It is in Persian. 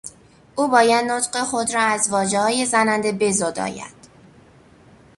او باید نطق خود را از واژههای زننده بزداید.